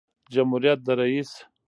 جمهوریت د رئیس